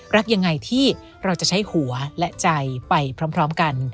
รักยังไงที่เราจะใช้หัวและใจไปพร้อมกัน